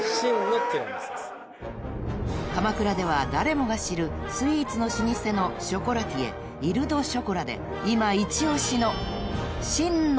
［鎌倉では誰もが知るスイーツの老舗のショコラティエイル・ド・ショコラで今一押しの］